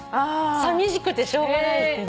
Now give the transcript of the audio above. さみしくてしょうがないって。